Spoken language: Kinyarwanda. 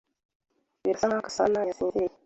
Birasa nkaho Gasanayasinziriye.